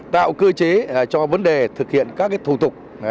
tạo cơ chế cho vấn đề thực hiện các thủ tục